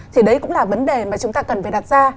thì đấy cũng là vấn đề mà chúng ta cần phải đặt ra